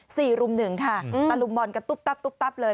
สี่รุ่มหนึ่งค่ะตั้งแต่ลุมบอลกันตุ๊บเลย